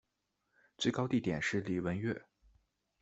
最高地点是礼文岳。